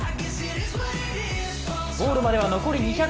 ゴールまでは残り２００ｍ。